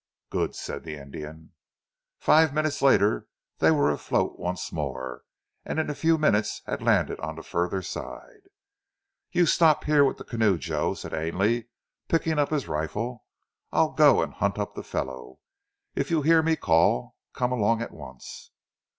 "Good!" said the Indian. Five minutes later they were afloat once more, and in a few minutes had landed on the further side. "You stop here with the canoe, Joe," said Ainley picking up his rifle. "I'll go and hunt up the fellow. If you hear me call, come along at once."